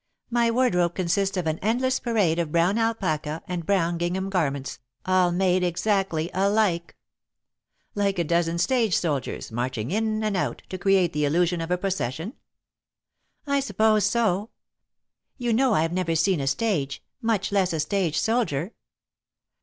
"My wardrobe consists of an endless parade of brown alpaca and brown gingham garments, all made exactly alike." [Sidenote: Thwarted on All Sides] "Like a dozen stage soldiers, marching in and out, to create the illusion of a procession?" "I suppose so. You know I've never seen a stage, much less a stage soldier."